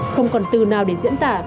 không còn từ nào để diễn tả